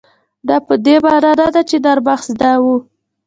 دا په دې مانا نه ده چې نرمښت زده و.